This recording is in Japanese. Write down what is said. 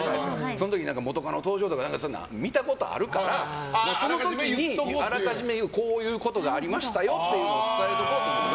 その時、元カノ登場とかそういうの見たことあるからあらかじめこういうことがありましたよっていうのを伝えておこうと思って。